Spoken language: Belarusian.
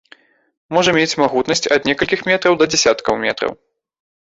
Можа мець магутнасць ад некалькіх метраў да дзясяткаў метраў.